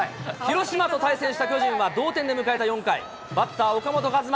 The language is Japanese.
広島と対戦した巨人は同点で迎えた４回、バッター、岡本和真。